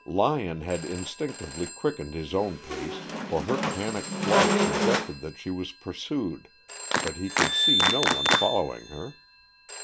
Lyon had instinctively quickened his own pace, for her panic flight suggested that she was pursued, but he could see no one following her.